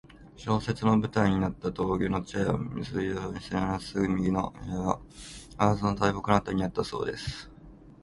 小説の舞台になった峠の茶屋は水生地・白橋のすぐ先の右側、桂の大木のあたりにあったそうです。